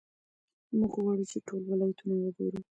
موږ غواړو چې ټول ولایتونه وګورو.